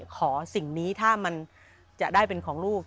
สิ่งนี้ถ้ามันจะได้เป็นของลูก